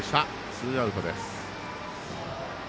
ツーアウトです。